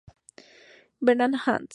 Barnard, Hans.